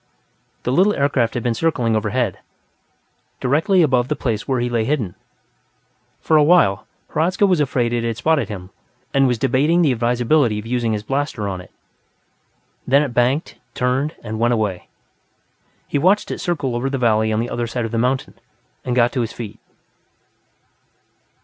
The little aircraft had been circling overhead, directly above the place where he lay hidden. For a while, Hradzka was afraid it had spotted him, and was debating the advisability of using his blaster on it. Then it banked, turned and went away. He watched it circle over the valley on the other side of the mountain, and got to his feet.